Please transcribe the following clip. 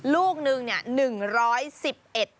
ลูกหนึ่ง๑๑๑บาท